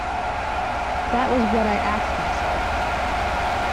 That was what I asked myself.